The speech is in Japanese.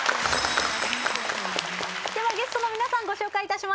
ではゲストの皆さんご紹介いたします。